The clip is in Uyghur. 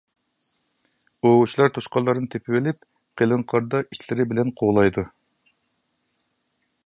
ئوۋچىلار توشقانلارنى تېپىۋېلىپ قېلىن قاردا ئىتلىرى بىلەن قوغلايدۇ.